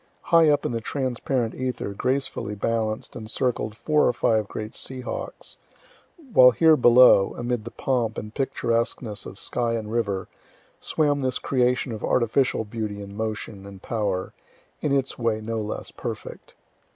High up in the transparent ether gracefully balanced and circled four or five great sea hawks, while here below, amid the pomp and picturesqueness of sky and river, swam this creation of artificial beauty and motion and power, in its way no less perfect.